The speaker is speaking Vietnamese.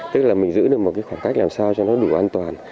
tức là mình giữ được một cái khoảng cách làm sao cho nó đủ an toàn